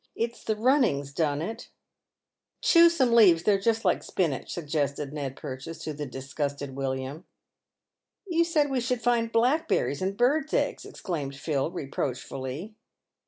It's the running's done it !"" Chew some leaves, they're just like spinach," suggested Ned Pur chase to the disgusted William. " You said we should find blackberries and birds' eggs," exclaimed Phil, reproachfully.